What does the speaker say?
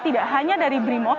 tidak hanya dari brimob